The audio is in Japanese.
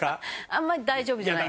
あんまり大丈夫じゃない。